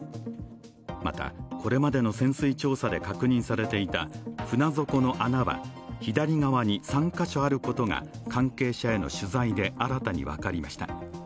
また、これまでの潜水調査で確認されていた船底の穴は、左側に３カ所あることが関係者への取材で新たに分かりました。